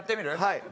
はい。